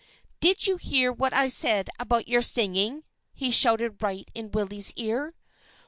"Did you hear what I said about your singing?" he shouted right in Willie's ear.